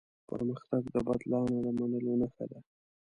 پرمختګ د بدلانه د منلو نښه ده.